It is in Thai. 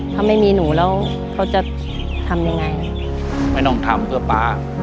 ถ้าไม่มีหนูแล้วเขาจะทำยังไงไม่ต้องทำเพื่อป๊า